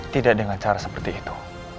tidak dengan cara seperti itu